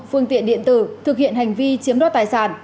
phương tiện điện tử thực hiện hành vi chiếm đoạt tài sản